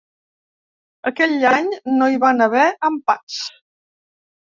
Aquell any no hi van haver empats.